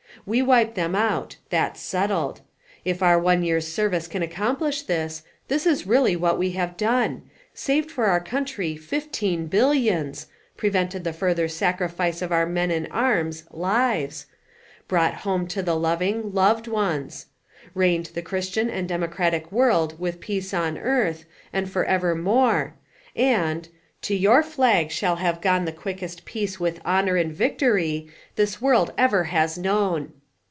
We wipe them out: Tthat's settled. If our one year's service can accomphsh this, this is really what we have done : Saved for our country fifteen "BIL LIONS" prevented the further sacrifice of our men in arms, lives; brought home to the loving, loved ones ; reigned the christian and democratic world with peace on earth, and forever more, and : To vour flag shall have gone the quickest PEACE with HONOR and VICTORY, this world ever has known.